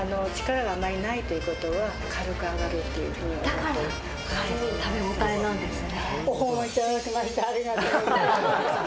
だから軽い食べごたえなんですね。